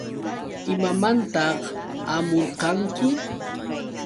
¿Imamantaq hamurqanki?